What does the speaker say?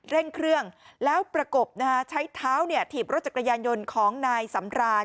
เร่งเครื่องแล้วประกบใช้เท้าถีบรถจักรยานยนต์ของนายสำราน